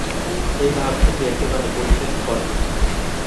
এই ভাবগুলি একেবারে পরিত্যাগ কর।